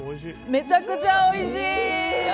めちゃくちゃおいしい！